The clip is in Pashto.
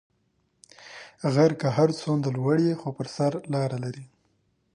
غر که هر څونده لوړ یی خو پر سر لاره لری